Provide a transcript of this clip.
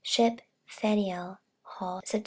Ship Faneuil Hall, Sept.